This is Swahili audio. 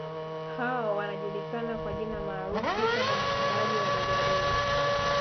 Hao wanajulikana kwa jina maarufu kama wachimbaji wadogo wadogo